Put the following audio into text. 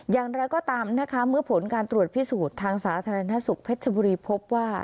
อย่างไรก็ตามนะคะเมื่อผลการตรวจพิสูจน์ทางสาธารณสุขเพชรบุรีพบว่า